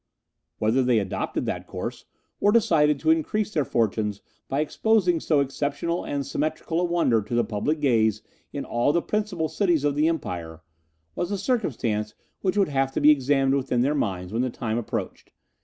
Whether they adopted that course, or decided to increase their fortunes by exposing so exceptional and symmetrical a wonder to the public gaze in all the principal cities of the Empire, was a circumstance which would have to be examined within their minds when the time approached.